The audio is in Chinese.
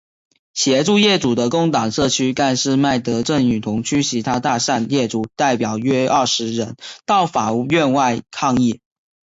协助业主的工党社区干事麦德正与同区其他大厦业主代表约二十人到法院外抗议。